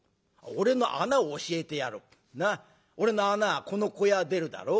なっ俺の穴はこの小屋出るだろう？